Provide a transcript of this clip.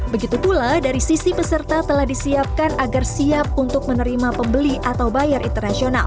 begitu pula dari sisi peserta telah disiapkan agar siap untuk menerima pembeli atau bayar internasional